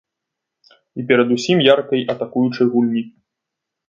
І перадусім яркай атакуючай гульні.